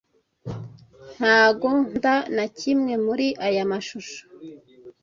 Ntago nkunda na kimwe muri aya mashusho